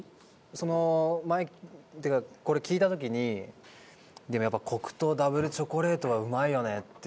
その前っていうかこれ聞いた時に「でもやっぱ黒糖ダブルチョコレートはうまいよね」って言ってて。